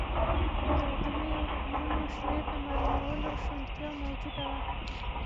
د ودانیو او کورونو شمېر د معلومولو شونتیا موجوده وه.